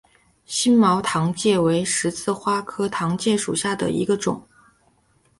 星毛糖芥为十字花科糖芥属下的一个种。